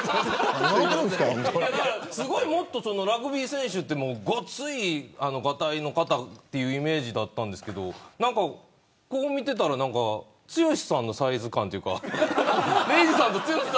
もっとラグビー選手ってごついがたいの方というイメージだったんですけどこう見てたら剛さんのサイズ感というか。